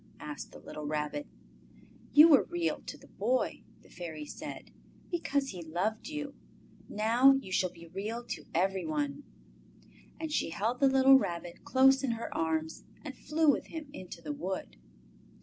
asked the little Rabbit. "You were Real to the Boy," the Fairy said, "because he loved you. Now you shall be Real to every one." The Fairy Flower And she held the little Rabbit close in her arms and flew with him into the wood.